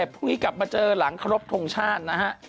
พรุ่งนี้กลับมาเจอหลังครบทรงชาตินะฮะ